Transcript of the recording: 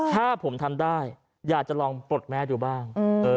ถ้าผมทำได้อยากจะลองปลดแม่ดูบ้าง